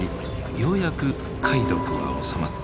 ようやく貝毒は治まった。